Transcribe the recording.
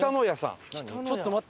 ちょっと待って。